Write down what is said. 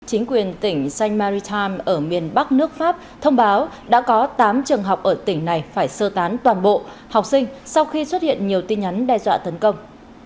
chính quyền tỉnh saint marie times ở miền bắc nước pháp thông báo đã có tám trường học ở tỉnh này phải sơ tán toàn bộ học sinh sau khi xuất hiện nhiều tin nhắn đe dọa tấn công